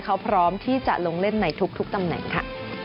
เขาพร้อมที่จะลงเล่นในทุกตำแหน่งค่ะ